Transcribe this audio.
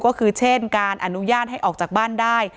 ก็คือเช่นการอนุญาตให้ออกจากบ้านได้